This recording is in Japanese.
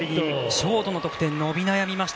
ショートの得点伸び悩みました。